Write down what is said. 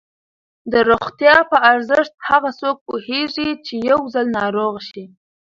د روغتیا په ارزښت هغه څوک پوهېږي چې یو ځل ناروغ شي.